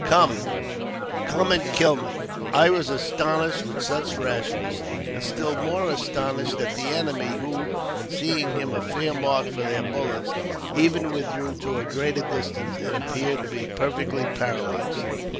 Come ! come and kill me !" I was astonished at such rashness, and still more astonished it the enemy, who, on seeing him a fair mark for their bullets, 3ven withdrew to a greater distance, and appeared to be per 'ectly paralyzed.